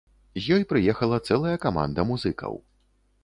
З ёй прыехала цэлая каманда музыкаў.